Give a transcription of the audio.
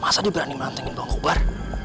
masa dia berani melantangin bang kobar